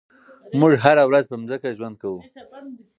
موږ هره ورځ پر ځمکه ژوند کوو.